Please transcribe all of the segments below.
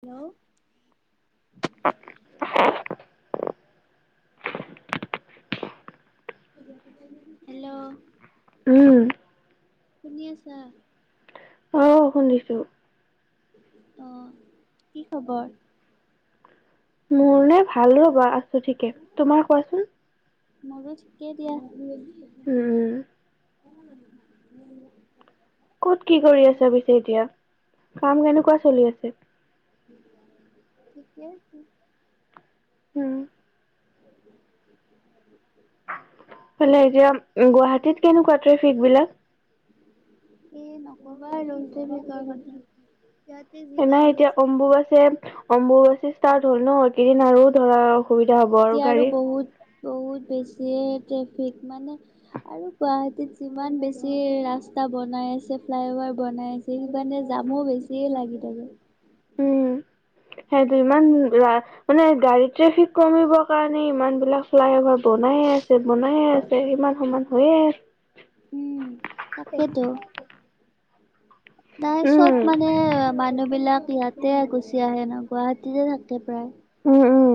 Hello hello উম সুনিয়ছা অ শুনিছো আহ কি খবৰ মোৰ নে ভাল ৰ'বা আছো ঠিকে তোমাৰ কোৱাচোন িকেইতিয়াা উম কত কি কৰি আছ পিছে এতিয়া কাম কেনেকুৱা চলি আছে ঠিকে আছে উম। [unintelligible] এতিয়া গুৱাহাটীত কেনেকুৱা ট্ৰেফিক বিলাক এ নকবা আৰু ট্ৰেফিকৰ কথা ইয়াতে সে নাই যিমান এতিয়া বেছি অম্বুবাছে অম্বুবাচী ষ্টাৰ্ট হল ন এইকেইদিন আৰু ধৰ সুবিধা হ'ব আৰু এতিয়া গাড়ী বহুত বহুত বেছিয়ে ট্ৰেফিক মানে আৰু গুৱাহাটীত যিমান বেছি ৰাস্ত টা বনাই আছে ফ্লাই অভাৰ বনাই আছে সেই কাৰণে জামো বেছিয়ে লাগি থাকে উম, [unintelligible] সেইটো ইমান মানে গাড়ী ট্ৰেফিক কমিব কাৰণে ইমান বিলাক ফ্লাই অভাৰ ব বনায়ে আছে বনায়ে আছে ইমান সমান হৈয়ে আছে উম তে তাকেতো নাই চব মানে মানুহ বিলাক ইয়াতে গুচি আহে ন গুৱাহাটীতে থাকে প্ৰায় উম উম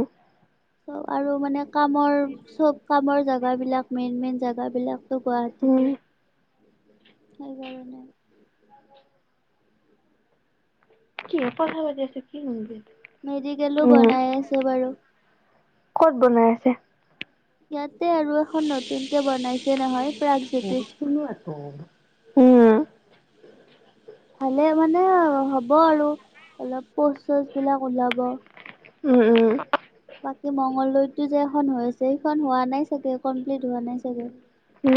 চব আৰু মানে কামৰ চব কামৰ জাগা বিলাক মেইন মেইন জাগাবিলাক উম। গুৱাহাটীতে সেইকাৰণে [unintelligible] কিয়পা কথা পাতি আছিল মেডিকেলো বনাই আছে বাৰু ক'ত বনাই আছে ইয়াতে আৰু এখন নতুন কে বনাইছে নহয় অ', ত প্ৰাগজ্যোতিষ। শুনিয়ে আছ উম। ভালে মানে হ'ব আৰু অলপ পোষ্ট চোস্ট বিলাক ওলাব। উম, উম। বাকী মংগলদৈতো যে এখন হৈছে সেইখন হোৱা নাই চাগে কমপ্লিট হোৱা নাই চাগে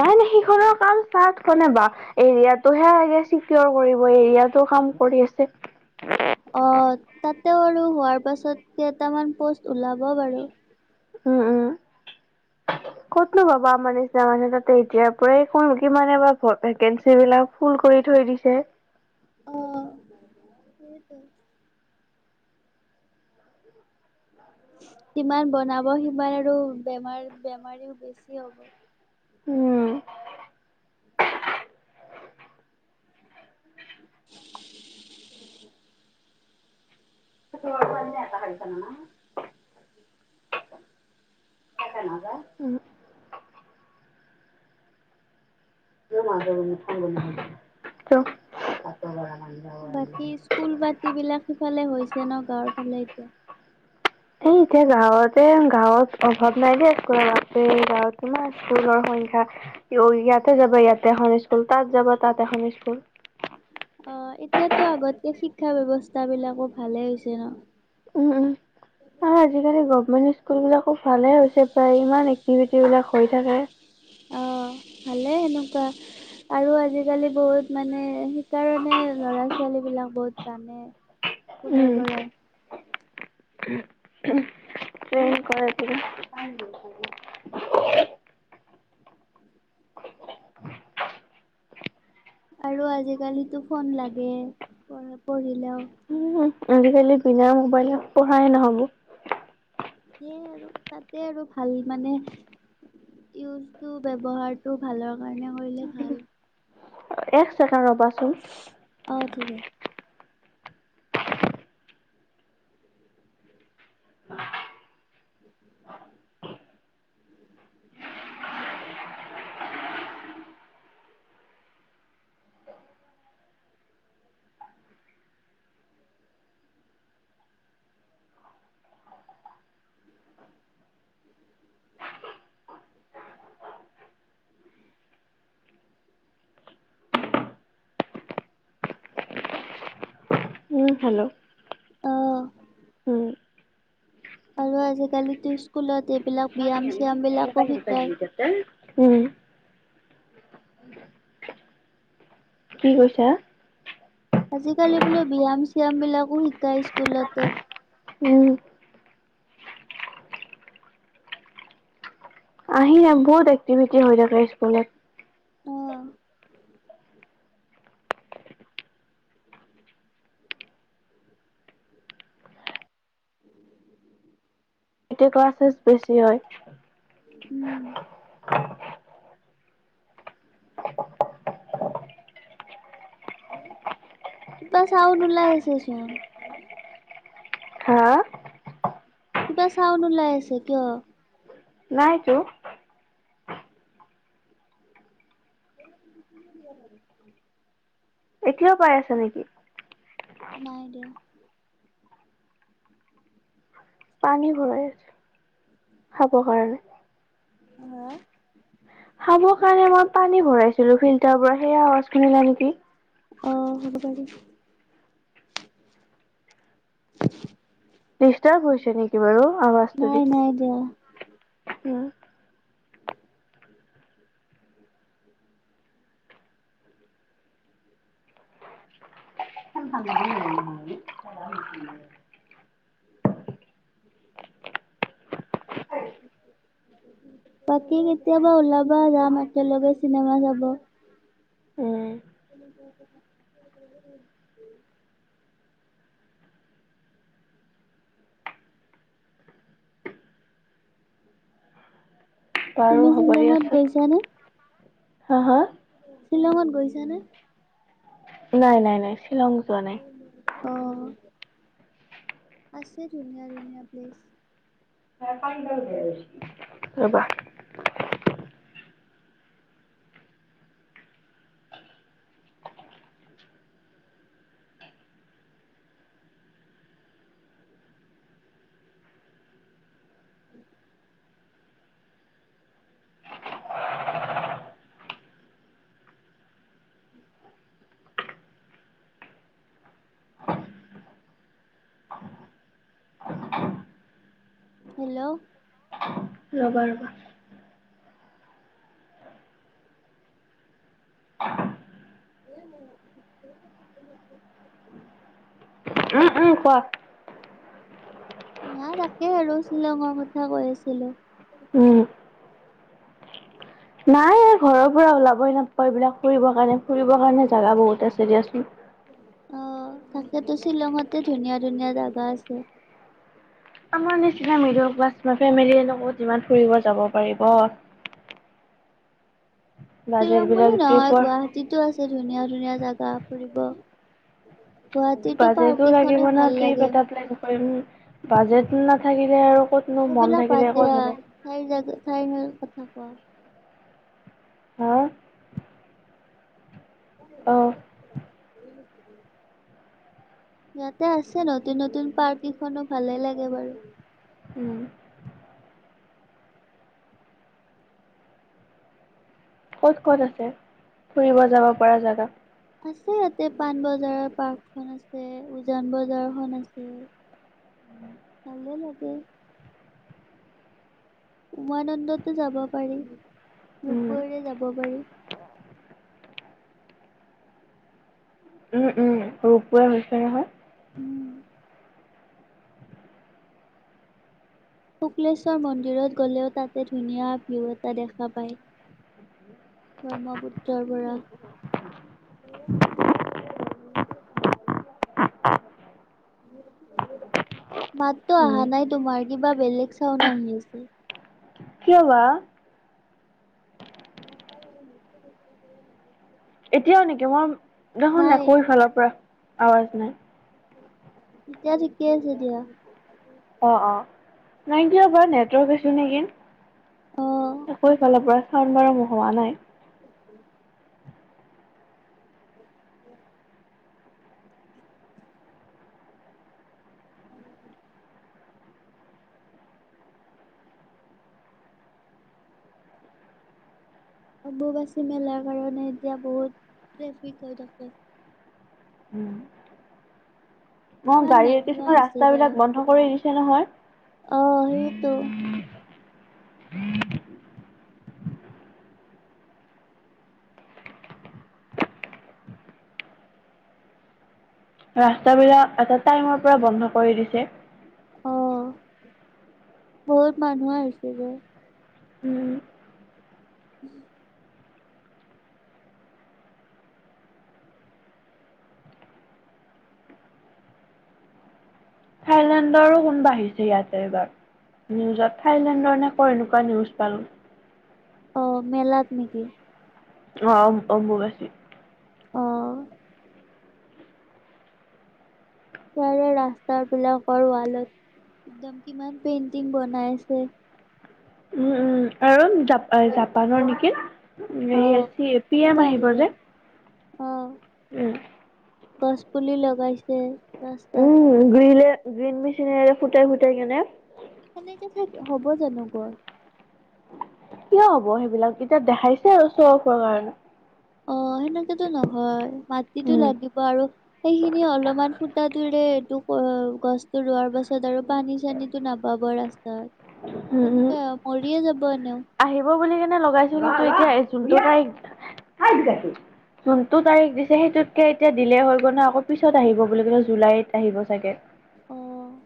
নাই, নাই সিখনৰ কাম তাত, কনে বা এৰিয়াটোহে চিকিয়ৰ কৰিব এৰিয়াটো কাম কৰি আছে অ', তাতেও আৰু হোৱাৰ পাছত কেইটামান পোষ্ট ওলাব বাৰু। উম, উম। ক'তনো পাবা আমাৰ নিচিনা মানুহে তাতে এতিয়াৰ পৰা ক কি মানে বা ভেকেঞ্চি বিলাক ফুল কৰি থৈ দিছে। সেইটোৱেই। ইমান বনাব সিমান আৰু বেমাৰ বেমাৰীও বেছি হ'ব। উম [unintelligible] [unintelligible] ত নাই [unintelligible] [unintelligible] তেও [unintelligible] বাকী স্কুল বাতি বিলাক সিফালে হৈছে ন গাঁৱৰ ফালে এতিয়া। এই এতিয়া গাঁৱতে গাঁৱত অভাৱ নাই দিয়া স্কুলৰ গাঁৱত কিমান স্কুল হল। সংখ্যা ইয়াতে যাবা ইয়াতে এখন স্কুল তাত যাবা তাত এখন স্কুল। অ', এতিয়াতো আগতকে শিক্ষা ব্যৱস্থা বিলাকো ভালে হৈছে ন। উম উম [unintelligible] আৰু আজিকালি গভমেন্ট স্কুল বিলাকো ভালে হৈছে প্ৰায় ইমান এক্টিভিটি বিলাক হৈ থাকে। অ', ভালে এনকাৱা। আৰু আজিকালি বহুত মানে সেইকাৰণে লৰা ছোৱালী বিলাক বহুত জানে। উম, ফুলৰ বৰাই। [unintelligible] [unintelligible] আৰু আজিকালিতো ফোন লাগে পঢ়িলেও উ আজিকালি বিনা মোবাইলত পঢ়াই নহব। সেইয়ে আৰু তাতে আৰু ভাল মানে ইজ ব্যৱহাৰোটো ভালৰ কাৰণে কৰিলে ভাল এক ছেকেণ্ড ৰবা চোন। অ' ঠিক আ উ [unintelligible] [inaudible] [unintelligible] [inaudible] হেল্ল', আহ। উম, আৰু আজিকালিটো স্কুলত এইবিলাক ব্যয়াম চয়াম বিলাক প [unintelligible] কি কৈছা। আজিকালি বোলো ব্যয়াম চিয়াম বিলাকো শিকায় স্কুলতে। উম। আহি বহুত একটিভিটি হৈ থাকে স্কুলত অ' [unintelligible] [unintelligible] এট কোৱাাছেছ বেছি হয় উম বছ আ আহন ওলাইছেছোন হা কিবা চাউন ওলাই আছে কিয় নাইতো এি কি ব এতিয়াও পাই আছে নেকি নাই দিয় পানী ভৰাই আছে খাব কাৰণে আহা খাব কাৰণে মই পানী ভৰাইছিলো ফিল্টাৰৰ পৰা সেইয়া আৱাজ খনিলা নেকি আহ হ'ব পাৰি নিষ্টাৰ হৈছে নেকি বাৰু আৱাজটো দি নাই নাই দিয়া উম উ উ বাকী কেতিয়াবা ওলাবা যাম একেলগে চিনেমা চাব উম [unintelligible] বাৰু তুমি হ'ব দিয় শ্বিলঙত আচ গৈছানে? হা হা শ্বিলঙত গৈছানে নাই নাই নাই শ্বিলং যোৱা নাই অ আছে ধুনীয়া ধুনীয়া প্লেছ ৰবা উম উম হেল্ল' ৰবা ৰবা এ ন উম উম কোৱা নাই তাকে আৰু শ্বিলঙৰ কথা কৈ আছিলো উম উ নাই ঘৰৰ পৰা ওলাবই নাপাওঁ এইবিলাক ফুৰিব কাৰণে। ফুৰিবৰ কাৰণে জেগা বহুত আছে দিয়াচোন। অ তাকেতো শ্বিলঙতে ধুনীয়া ধুনীয়া জেগা আছে। [inaudible] আমাৰ নিচিনা মিডিল ক্লাছ ফেমিলি ন বহুত যিমান ফুৰিব যাব পাৰিব। বাজেট শ্বিলং বুলি বিলাক নহয় ট্ৰিপৰ গুৱাহাটীতো আছে ধুনীয়া ধুনীয়া জেগা ফুৰিব গুৱাহাটীতো পাৰ্ক বাজেটো লাগিব কেইখনো ন ভাল ট্ৰিপ লাগে এটা প্লেন কৰিম বাজেট নাথাকিলে আৰু ক'তনো মন সেইবিলাক থাকিলে ক'ত দিয়া হ'ব চাৰি জ চাৰি ন কথা কোৱা হ অঁ উ ইয়াতে আছে নতুন নতুন পাৰ্ক কিখনো ভালে লাগে বাৰু উম ক'ত ক'ত আছে ফুৰিব যাব পৰা জেগা আছে ইয়াতে পাণবজাৰৰ পাৰ্কখনন আছে, উজান বজাৰখনন আছে ভাৱে লাগে উমানন্দতো যাব পাৰি, উম, ৰোপ ওৱেৰে যাব পাৰি। [inaudible] ৰূপ ৱেই হৈছে নহয়। উম। শুক্লেশ্বৰ মন্দিৰত গ'লেও তাতে ধুনীয়া ভিউ এটা দেখা পায়। ব্ৰহ্মপুত্ৰৰ পৰা। [unintelligible] [unintelligible] মাততো উম। অহা নাই তোমাৰ কিবা বেলেগ চাউন আহি আছে। কিয় বা? [unintelligible] এতিয়াও নেকি মই দেখোন নাই [unintelligible] ইফালৰ পৰা আৱাজ নাই। তেতিয়া ঠিকে আছে দিয়া। অ' অ' নাই কিয় বাৰ নেটৱৰ্ক ইছোঁ নেকি। অ'। আকৌ এইফালৰ পৰা চাণ বাৰু হোৱা নাই। অ উ। অম্বুবাচী মেলাৰ কাৰণে এতিয়া বহুত ট্ৰেফিক হৈ থাকে। অ' ইমান গাড়ী মানুহ কিছুমান ৰাস্তা বিলাক বন্ধ কৰি দিছে নহয়। আহ সেইটো ৰাস্তা বিলাক এটা টাইমৰ পৰা বন্ধ কৰি দিছে। আহ বহুত মানুহ আহিছে যে। উম, উম থাইলেণ্ডৰো কোন বাঢ়িছে ইয়াতে এইবাৰ। নিউজত থাইলেণ্ডৰ নে কৰ এনেকুৱা নিউজ পালোঁ। অ' মেলাত নেকি? অ' অম্বুবছী। অহ। সাৰে ৰাস্তা বিলাকৰ ওৱালত দম কিমানমান পেইণ্টিং বনাইছে? উম, উম আৰু জাপানৰ নেকি? এ অঁ চি এ পি এম আহিব যে। অ' উম গছ পুলি লগাইছে। ৰাস্তাত উম গ্ৰীলে গ্ৰীণ মেচিনেৰে ফুটাই ফুটাই কেনে সেনেকে থাক হ'ব জানো গৰ কিয় হ'ব সেইবিলাক এতিয়া দেখাইছে আৰু চৰফৰ মান। অ' সনেকো নহয় মাটিতো উম লাগিব আৰু সেইখিনি অলমান ফুটাটোৰে গছতো ৰোৱাৰ পাছত আৰু পানী চানী নাপাব ৰাস্তাত। উম উম তেনেকে মৰিয়ে যাব এনেও। লগাইছ ন তই এতিয়া জটোই [unintelligible] যোনটো তাৰিখ দিছে সেইটোতকে এতিয়া দিলে হৈ গ'ল ন আকৌ পিছত আহিব বুলি ক'লে জুলাইত আহিব চাগে। অ'।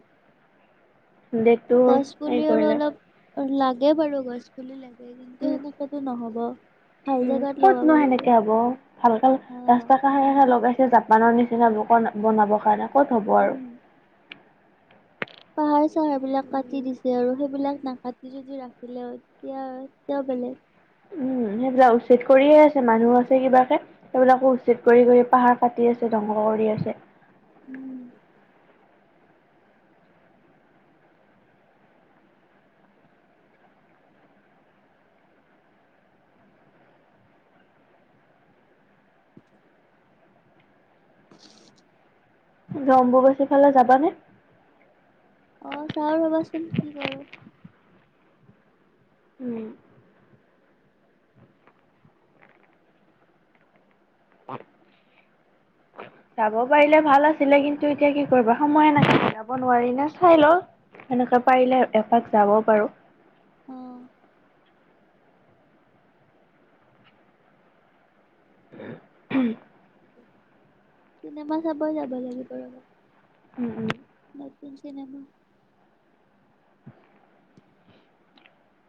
ডেটটো গছ হেৰি পুলি আৰু কৰিলে অলপ লাগে বাৰু গছ পুলি লাগে। কিন্তু উম সেনেকো নহব। ভাল উম জেগাত ক'ত লগাব নো লাগিব সেনেকে হব ভালকাল অ ৰাস্তা কাষে কাষে লগাই জাপানৰ নিচিনাবোৰ বনাবৰ কাৰণে ক'ত হ'ব আৰু। প চাৰ হেইবিলক কাটি দিছে আৰু সেইবিলাক নাকাটি যদি ৰাখিলে এতিয়াতি বেলেগ উম সেইবিলাক উচিত কৰিয়ে আছে মানুহ আছে কিবাকে সেইবিলাকো উচিত কৰি কৰি পাহাৰ পাতি আছে ধ কৰি আছে। উম। ৰম্বুগাছিফালে যাবানে অ চাও ৰবাচোন কি কৰো উম আৰু অ যাব পাৰিলে ভাল আছিলে কিন্তু এতিয়া কি কৰিবা সময়ে নাথে যাব নোৱাৰি নে চাই ল সেনেকে পাৰিলে এপাক যাবও পাৰোঁ অম উ চিনেমা চাব যাব লাগে কৰ'ৰবাত উম উম আম চনেমা